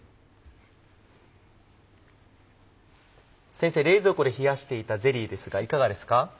先生冷蔵庫で冷やしていたゼリーですがいかがですか？